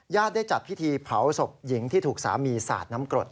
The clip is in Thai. ได้จัดพิธีเผาศพหญิงที่ถูกสามีสาดน้ำกรด